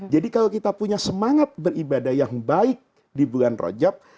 jadi kalau kita punya semangat beribadah yang baik di bulan rajab